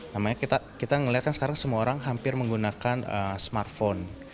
namanya kita melihatkan sekarang semua orang hampir menggunakan smartphone